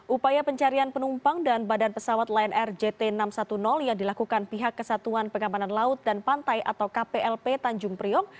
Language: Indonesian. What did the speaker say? upaya pencarian penumpang dan badan pesawat lion air jt enam ratus sepuluh yang dilakukan pihak kesatuan pengamanan laut dan pantai atau kplp tanjung priok